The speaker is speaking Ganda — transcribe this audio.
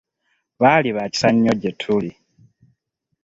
Baali ba kisa nnyo gye tuli.